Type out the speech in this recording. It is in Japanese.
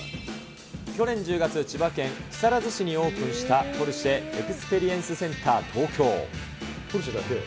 去年１０月、千葉県木更津市にオープンした、ポルシェ・エクスペリエンスセンター東京。